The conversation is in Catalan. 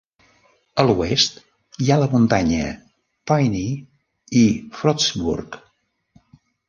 A l'oest hi ha la muntanya Piney i Frostburg.